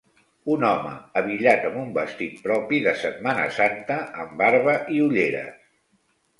Un home abillat amb un vestit propi de Setmana Santa amb barba i ulleres